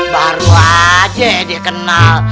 baru aja dia kenal